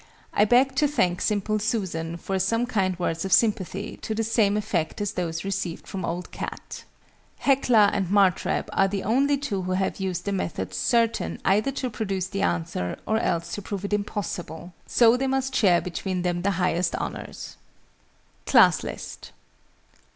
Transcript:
I beg to thank SIMPLE SUSAN for some kind words of sympathy, to the same effect as those received from OLD CAT. HECLA and MARTREB are the only two who have used a method certain either to produce the answer, or else to prove it impossible: so they must share between them the highest honours. CLASS LIST.